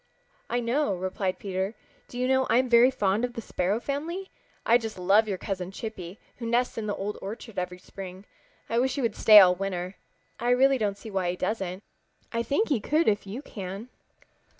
"I know," replied Peter. "Do you know I'm very fond of the Sparrow family. I just love your cousin Chippy, who nests in the Old Orchard every spring. I wish he would stay all winter. I really don't see why he doesn't. I should think he could if you can."